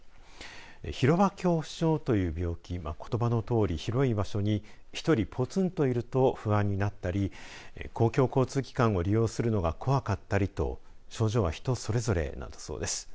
広場恐怖症という病気はことばのとおり、広い場所に１人ぽつんといると不安になったり公共交通機関を利用するのが怖かったりと症状は人それぞれなんだそうです。